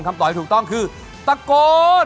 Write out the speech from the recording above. คำตอบที่ถูกต้องคือตะโกน